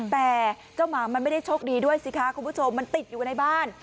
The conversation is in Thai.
แต่เจ้าหมามันไม่ได้โชคดีด้วยสิคะคุณผู้ชมมันติดอยู่ในบ้าน